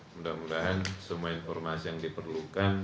mudah mudahan semua informasi yang diperlukan